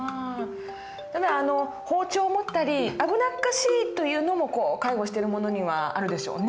ただ包丁を持ったり危なっかしいというのも介護してる者にはあるでしょうね。